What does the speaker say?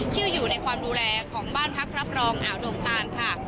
ที่อยู่ในความดูแลของบ้านพักรับรองอ่าวดงตานค่ะ